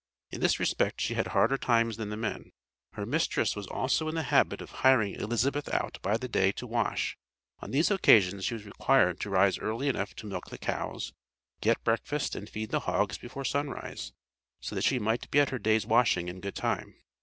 In this respect, she had harder times than the men. Her mistress was also in the habit of hiring Elizabeth out by the day to wash. On these occasions she was required to rise early enough to milk the cows, get breakfast, and feed the hogs before sunrise, so that she might be at her day's washing in good time.